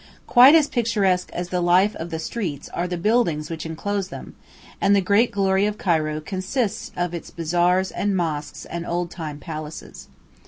Quite as picturesque as the life of the streets are the buildings which enclose them, and the great glory of Cairo consists of its bazaars and mosques and old time palaces.